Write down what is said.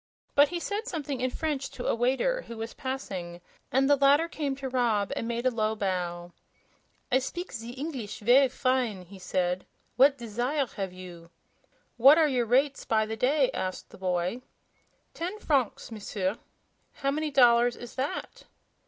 But he said something in French to a waiter who was passing, and the latter came to Rob and made a low bow. "I speak ze Eengliss ver' fine," he said. "What desire have you?" "What are your rates by the day?" asked the boy. "Ten francs, M'sieur." "How many dollars is that?"